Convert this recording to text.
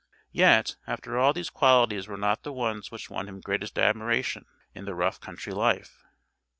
Yet after all these qualities were not the ones which won him greatest admiration in the rough country life.